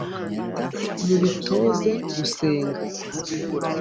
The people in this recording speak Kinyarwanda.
mubitoze gusenga